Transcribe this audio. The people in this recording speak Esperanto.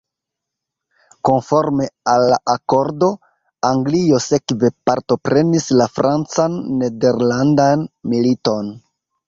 Konforme al la akordo, Anglio sekve partoprenis la Francan-Nederlandan militon.